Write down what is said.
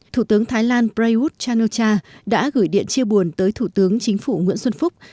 thủ tướng thái lan prayuth chan o cha đã gửi điện chia buồn tới thủ tướng chính phủ nguyễn xuân phúc